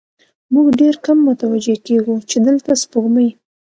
موږ ډېر کم متوجه کېږو، چې دلته سپوږمۍ